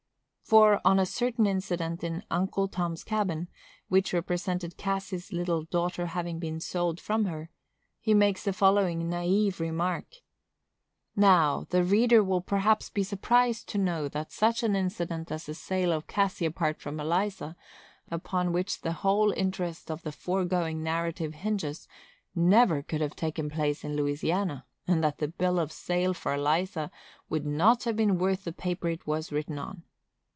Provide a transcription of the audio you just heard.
For, on a certain incident in "Uncle Tom's Cabin," which represented Cassy's little daughter as having been sold from her, he makes the following naïf remark: Now, the reader will perhaps be surprised to know that such an incident as the sale of Cassy apart from Eliza, upon which the whole interest of the foregoing narrative hinges, never could have taken place in Louisiana, and that the bill of sale for Eliza would not have been worth the paper it was written on.